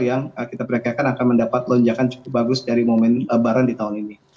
yang kita perkirakan akan mendapat lonjakan cukup bagus dari momen lebaran di tahun ini